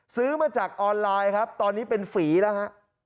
ซื้อมาจากออนไลน์ครับตอนนี้เป็นฝีแล้วฮะ